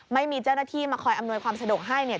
ไม่มีเจ้าหน้าที่มาคอยอำนวยความสะดวกให้เนี่ย